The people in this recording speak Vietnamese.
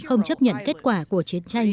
không chấp nhận kết quả của chiến tranh